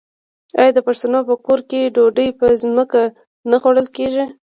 آیا د پښتنو په کور کې ډوډۍ په ځمکه نه خوړل کیږي؟